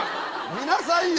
見なさいよ！